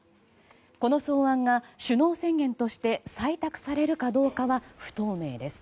この草案が首脳宣言として採択されるかどうかは不透明です。